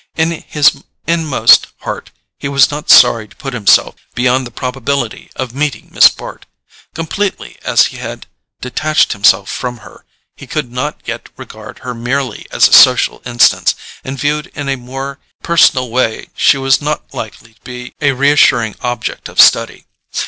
In his inmost heart he was not sorry to put himself beyond the probability of meeting Miss Bart. Completely as he had detached himself from her, he could not yet regard her merely as a social instance; and viewed in a more personal ways she was not likely to be a reassuring object of study.